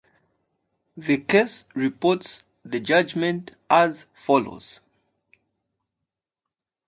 The case reports the judgment as follows.